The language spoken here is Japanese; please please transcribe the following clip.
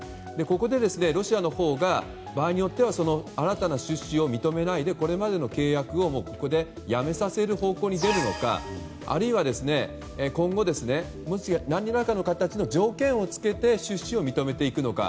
ここでロシアのほうが場合によっては新たな出資を認めないでこれまでの契約をここでやめさせる方向に出るのかあるいは今後、何らかの形の条件を付けて出資を認めていくのか。